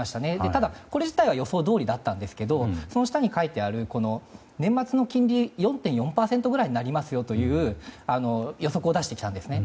ただ、これ自体は予想どおりだったんですけどその下に書いてある年末の金利、４．４％ぐらいになりますよという予測を出してきたんですね。